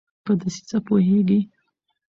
په دسیسه پوهیږي